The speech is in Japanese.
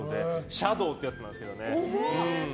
シャドーってやつなんですけど。